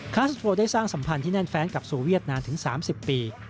ัสโครได้สร้างสัมพันธ์ที่แน่นแฟนกับสูเวียดนานถึง๓๐ปี